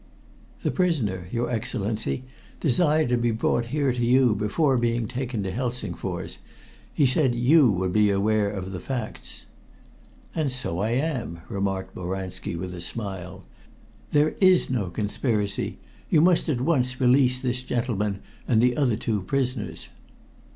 "The prisoner, your Excellency, desired to be brought here to you before being taken to Helsingfors. He said you would be aware of the facts." "And so I am," remarked Boranski, with a smile. "There is no conspiracy. You must at once release this gentleman and the other two prisoners."